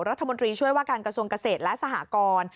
รัฐมนตรีช่วยว่าการกระทรวงเกษตรและสหกร